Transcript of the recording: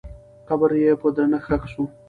قبر یې په درنښت ښخ سو.